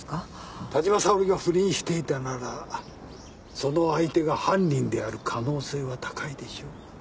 田島沙織が不倫していたならその相手が犯人である可能性は高いでしょう。